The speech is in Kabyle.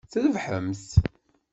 Trebḥemt!